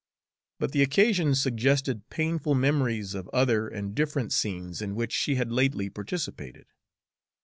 But the occasion suggested painful memories of other and different scenes in which she had lately participated.